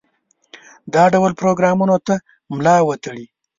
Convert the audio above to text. دا ډول پروګرامونو ته ملا وتړي.